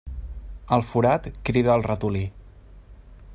El forat crida el ratolí.